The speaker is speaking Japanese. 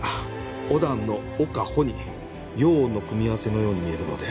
オ段の「オ」か「ホ」に拗音の組み合わせのように見えるので。